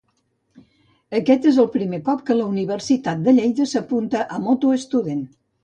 Aquest és el primer cop que la Universitat de Lleida s'apunta a MotoStudent.